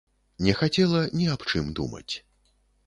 Не хацела ні аб чым думаць.